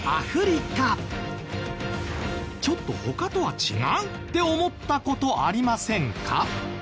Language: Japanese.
ちょっと他とは違うって思った事ありませんか？